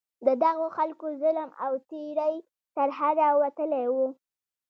د دغو خلکو ظلم او تېری تر حده وتلی وو.